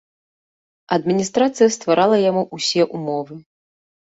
Адміністрацыя стварала яму ўсе ўмовы.